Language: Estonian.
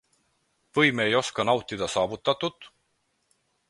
Või me ei oska nautida saavutatut?